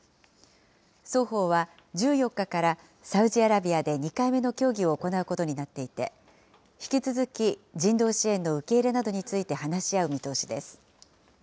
双方は１４日からサウジアラビアで２回目の協議を行うことになっていて、引き続き人道支援の受け入れなどについて話し合う見通しです。